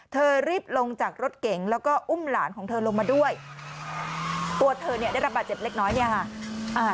เธอรีบลงจากรถเก๋งแล้วก็อุ้มหลานของเธอลงมาด้วยตัวเธอเนี่ยได้รับบาดเจ็บเล็กน้อยเนี่ยค่ะอ่า